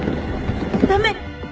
駄目